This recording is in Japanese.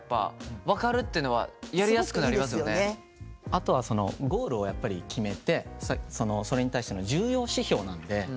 あとはそのゴールをやっぱり決めてそれに対しての重要指標なんで。